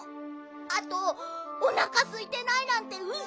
あとおなかすいてないなんてウソ。